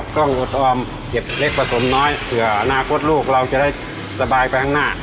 กล้องอดทอมเก็บเล็กผสมน้อยเผื่ออนาคตลูกเราจะได้สบายไปข้างหน้า